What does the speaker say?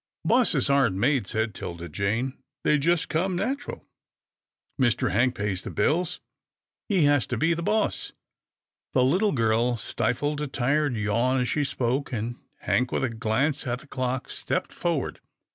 " Bosses aren't made," said 'Tilda Jane. " They just come natural. Mr. Hank pays the bills. He has to be boss." The little girl stifled a tired yawn as she spoke, and Hank, with a glance at the clock, stepped for ward.